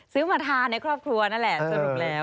มาทานในครอบครัวนั่นแหละสรุปแล้ว